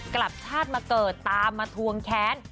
กลับชาติมาเกิดตามมาทวงแค้น